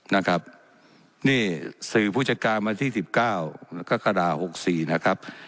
นะครับนี่สื่อผู้จัดการมาที่สิบเก้าก็กระดาษหกสี่นะครับ